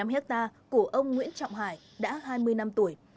năm hectare của ông nguyễn trọng hải đã hai mươi năm tuổi